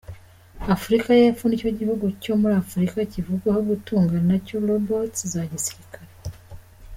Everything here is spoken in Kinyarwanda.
Afurika y’Epfo nicyo gihugu cyo muri Afurika kivugwaho gutunga nacyo ‘Robots’ za gisirikare.